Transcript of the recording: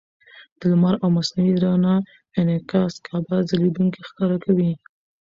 د لمر او مصنوعي رڼا انعکاس کعبه ځلېدونکې ښکاره کوي.